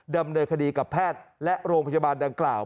ดำเนินคดีกับแพทย์และโรงพยาบาลดังกล่าว